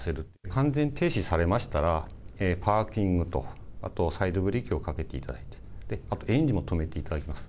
完全停止されましたらパーキングとサイドブレーキをかけていただきあと、エンジンも止めていただきます。